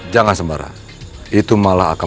jangan sembarang itu malah akan